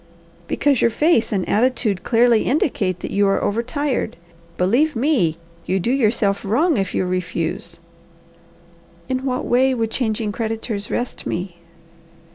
"Because your face and attitude clearly indicate that you are over tired. Believe me, you do yourself wrong if you refuse." "In what way would changing creditors rest me?"